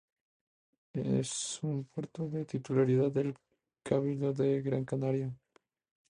Es un puerto de titularidad del Cabildo de Gran Canaria.